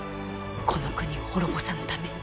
この国を滅ぼさぬために。